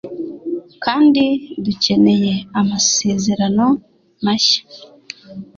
kandi dukeneye amasezerano mashya